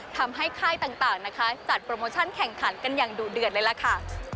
ค่ายต่างนะคะจัดโปรโมชั่นแข่งขันกันอย่างดุเดือดเลยล่ะค่ะ